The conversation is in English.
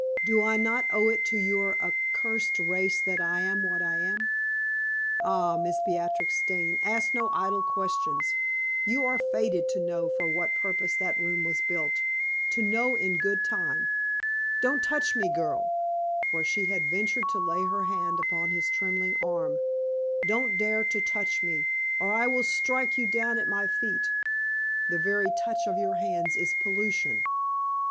Do I not owe it to your accursed race that I am what I am? Ah, Miss Beatrix Dane, ask no idle questions. You are fated to know for what purpose that room was built, to know in good time. Don't touch me, girl!" for she had ventured to lay her hand upon his trembling arm "don't dare to touch me, or I will strike you down at my feet! The very touch of your hands is pollution!"